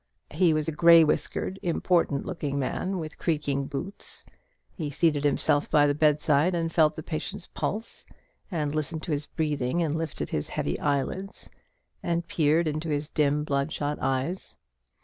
He was a grey whiskered important looking man, with creaking boots; he seated himself by the bedside, and felt the patient's pulse, and listened to his breathing, and lifted his heavy eyelids, and peered into his dim blood shot eyes.